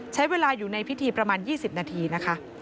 ใช้เวลาอยู่ในพิธีประมาณ๒๐นาทีนะคะ